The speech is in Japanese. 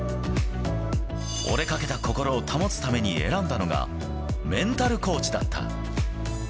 折れかけた心を保つために選んだのが、メンタルコーチだった。